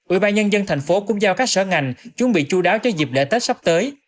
ủy ban nhân dân thành phố cũng giao các sở ngành chuẩn bị chú đáo cho dịp lễ tết sắp tới